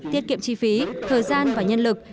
tiết kiệm chi phí thời gian và nhân lực